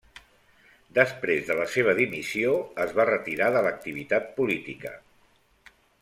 Després de la seva dimissió es va retirar de l'activitat política.